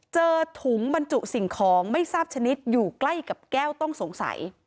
เจอถุงบรรจุสิ่งของไม่ทราบชนิดอยู่ใกล้กับแก้วต้องสงสัย